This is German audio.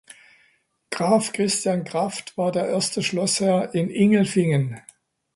Graf Christian Kraft war der erste Schlossherr in Ingelfingen.